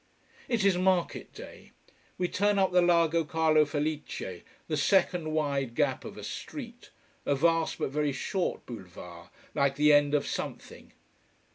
It is market day. We turn up the Largo Carlo Felice, the second wide gap of a street, a vast but very short boulevard, like the end of something.